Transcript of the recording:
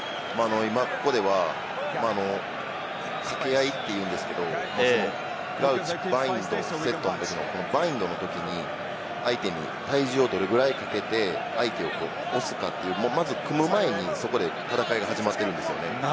今ここでは避け合いって言うんですけれども、クラウチ・バインド・セットのときに、バインドのときに相手に体重をどれぐらいかけて相手を押すか、まず組む前に、戦いが始まってるんですよね。